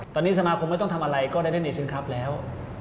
ตอนนี้สมาคมไม่ต้องทำอะไรก็ได้เล่นเอซินคลับแล้ว